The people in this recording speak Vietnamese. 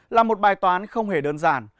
là một bài toán không hề đơn giản